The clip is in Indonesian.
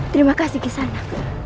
terima kasih kisana